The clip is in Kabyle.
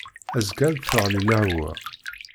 Azekka ad d-teɣli lehwa.